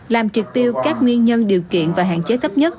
làm triệt tiêu các nguyên nhân điều kiện và hạn chế tấp nhất